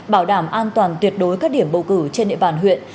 bảo đảm an toàn tuyệt đối các điểm bầu cử trên địa bàn huyện